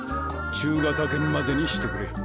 中型犬までにしてくれ。